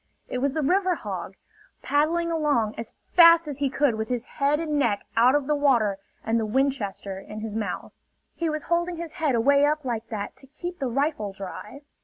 It was the river hog, paddling along as fast as he could with his head and neck out of the water and the Winchester in his mouth. He was holding his head away up like that to keep the rifle dry.